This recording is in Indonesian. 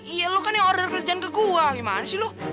iya lu kan yang order kerjaan ke gue gimana sih lo